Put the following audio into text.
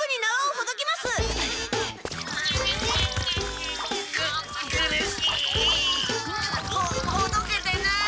ほほどけてない！